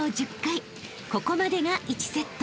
［ここまでが１セット］